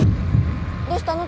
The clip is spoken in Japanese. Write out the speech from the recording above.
どうしたの？